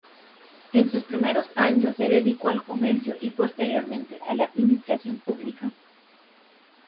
En sus primeros años se dedicó al comercio y posteriormente a la administración pública.